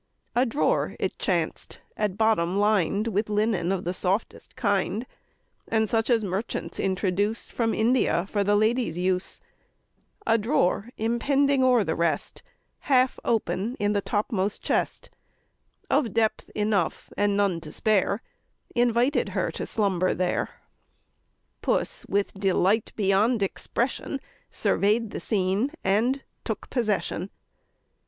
A drawer, it chanced, at bottom lined With linen of the softest kind, With such as merchants introduce From India, for the ladies' use, A drawer impending o'er the rest, Half open in the topmost chest, Of depth enough, and none to spare, Invited her to slumber there; Puss with delight beyond expression, Survey'd the scene, and took possession.